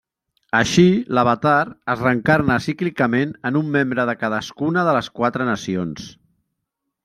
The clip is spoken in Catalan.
Així, l'Avatar es reencarna cíclicament en un membre de cadascuna de les quatre nacions.